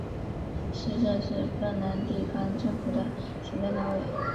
市镇是芬兰地方政府的行政单位。